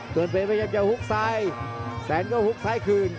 ตัวเป๋ยยังจะฮุกซ้ายแสนก็ฮุกซ้ายคืน